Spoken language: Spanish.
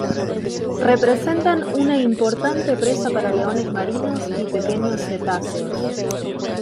Representan una importante presa para leones marinos y pequeños cetáceos.